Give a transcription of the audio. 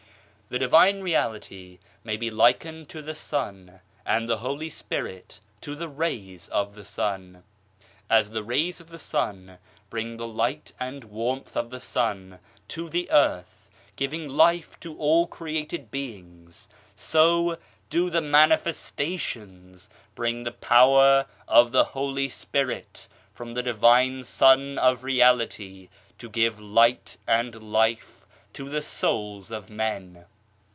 The Divine Reality may be likened to the sun and the Holy Spirit to the rays of the sun. As the rays of the sun bring the light and warmth of the sun to the earth, giving life to all created beings, so do the " Mani festations "* bring the power of the Holy Spirit from the Divine Sun of Reality to give Light and Life to the souls of men.